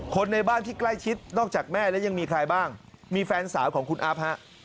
คนในบ้านที่ใกล้ชิดนอกจากแม่แล้วยังมีใครบ้างมีแฟนสาวของคุณอัพฮะ